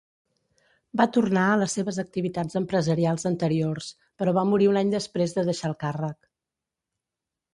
Va tornar a les seves activitats empresarials anteriors, però va morir un any després de deixar el càrrec.